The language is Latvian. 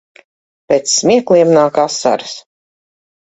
Pēc smiekliem nāk asaras.